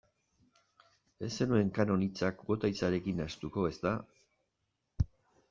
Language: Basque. Ez zenuen kanon hitza kuota hitzarekin nahastuko, ezta?